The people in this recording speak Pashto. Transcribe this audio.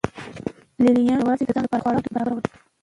لې لیانو یوازې د ځان لپاره خواړه او توکي برابرول